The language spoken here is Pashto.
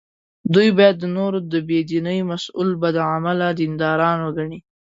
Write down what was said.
دوی باید د نورو د بې دینۍ مسوول بد عمله دینداران وګڼي.